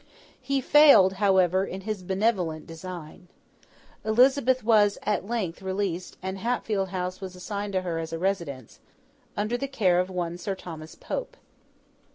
He failed, however, in his benevolent design. Elizabeth was, at length, released; and Hatfield House was assigned to her as a residence, under the care of one Sir Thomas Pope.